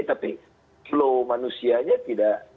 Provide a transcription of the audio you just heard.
tapi flow manusianya tidak